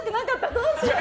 どうしよう！